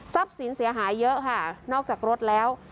สินเสียหายเยอะค่ะนอกจากรถแล้ว